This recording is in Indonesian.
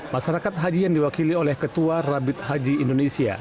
masyarakat haji yang diwakili oleh ketua rabit haji indonesia